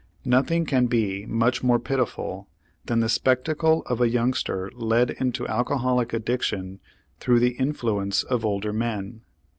Nothing can be much more pitiful than the spectacle of a youngster led into an alcoholic addiction through the influence of older men.